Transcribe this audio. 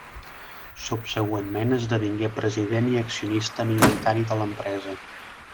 Subsegüentment esdevingué president i accionista minoritari de l'empresa.